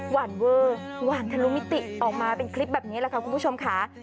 หวานเวอร์หวานทะลุมิติออกมาเป็นคลิปแบบนี้แหละค่ะคุณผู้ชมค่ะ